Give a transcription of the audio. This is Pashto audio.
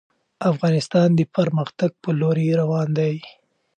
افغانستان د پرمختګ په لوري روان دی.